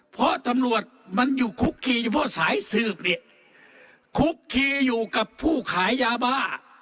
เพราะตำรวจมันอยู่คุกคีเฉพาะสายสืบเนี่ยคุกคีอยู่กับผู้ขายยาบ้า